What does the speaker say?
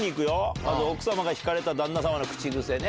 まず奥様が引かれた旦那様の口癖ね。